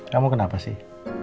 kamu kenapa sih